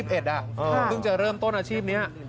เพิ่งจะเริ่มต้นอาชีพนี้